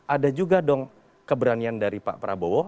ada juga dong keberanian dari pak prabowo